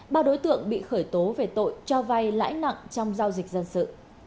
ba đối tượng bị khởi tố về tội cho vay lãi nặng trong giao dịch dân sự